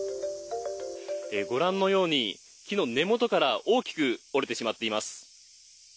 ご覧のように、木の根元から大きく折れてしまっています。